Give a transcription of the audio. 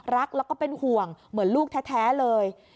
รักแล้วก็เป็นห่วงเหมือนลูกแท้เลย